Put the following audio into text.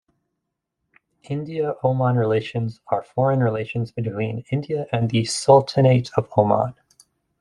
India-Oman relations are foreign relations between India and the Sultanate of Oman.